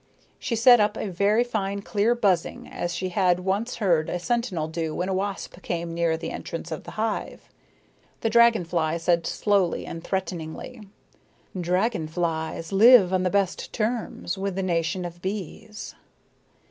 She set up a very fine clear buzzing as she had once heard a sentinel do when a wasp came near the entrance of the hive. The dragon fly said slowly and threateningly: "Dragon flies live on the best terms with the nation of bees."